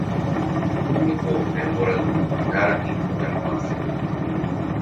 Hekove mborayhu járaniko Dalmacia.